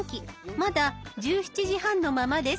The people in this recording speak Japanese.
まだ１７時半のままです。